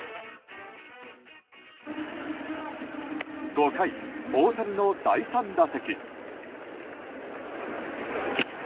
５回、大谷の第３打席。